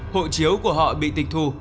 hộ chiếu của họ bị tịch thu